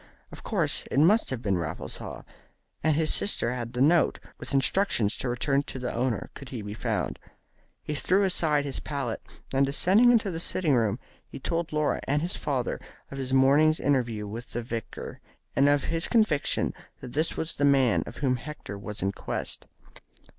Of course, it must have been Raffles Haw. And his sister had the note, with instructions to return it to the owner, could he be found. He threw aside his palette, and descending into the sitting room he told Laura and his father of his morning's interview with the vicar, and of his conviction that this was the man of whom Hector was in quest.